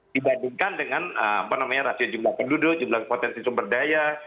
dibandingkan dengan rasio jumlah penduduk jumlah potensi sumber daya